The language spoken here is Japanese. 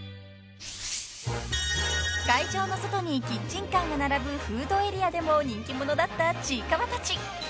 ［会場の外にキッチンカーが並ぶフードエリアでも人気者だったちいかわたち］